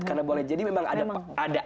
karena boleh jadi memang ada